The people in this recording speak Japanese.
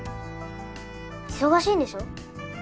忙しいんでしょ。